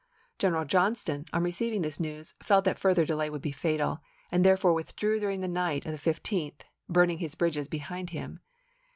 General Johnston, on receiving this news, felt that further delay would be fatal, and therefore withdrew during the night of the 15th, burning his bridges behind him.